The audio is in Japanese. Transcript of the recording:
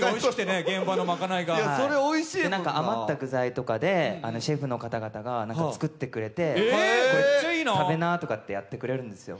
余った具材とかでシェフの方々が作ってくれて、これ食べなとかってやってくれるんですよ。